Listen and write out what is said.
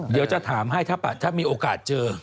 เดี๋ยวจะถามให้ถ้ามีโอกาสเจอ